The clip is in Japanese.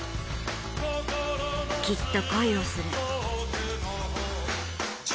きっと恋をする。